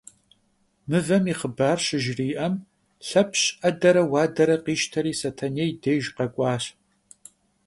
Mıvem yi xhıbar şıjjri'em, Lhepş 'edere vuadere khişteri Setenêy dêjj khek'uaş.